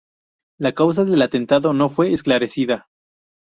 La causa del atentado no fue esclarecida.